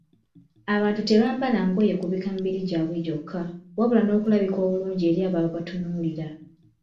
Abantu tebambala ngoye kubikka mibiri gyabwe gyokka, wabula n'okulabika obulungi eri abo ababatunuulira.